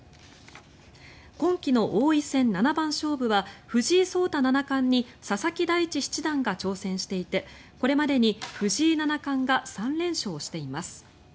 今期の王位戦七番勝負は藤井聡太七冠に佐々木大地七段が挑戦していてこれまでに藤井七冠が３連勝しています。